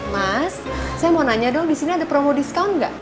mas saya mau nanya dong disini ada promo discount nggak